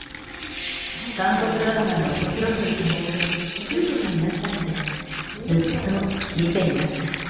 韓国ドラマのおもしろさを感じて、中毒になったので、ずっと見ていました。